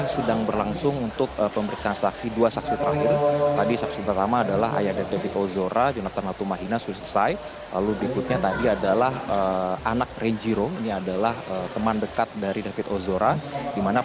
selamat sore arief selamat sore